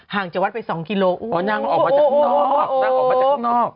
ห่างจะวัดไปสองกิโลกรัมนั่งออกมาจากข้างนอกนั่งออกมาจากข้างนอก